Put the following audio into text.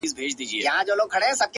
مخ ته مي لاس راوړه چي ومي نه خوري ـ